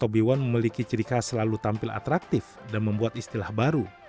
tobiwon memiliki ciri khas selalu tampil atraktif dan membuat istilah baru